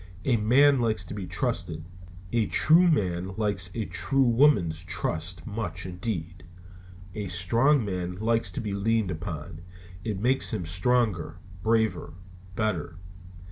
A man likes to be trusted. A true man likes a true woman's trust, much indeed. A strong man likes to be leaned upon. It makes him stronger, braver, better.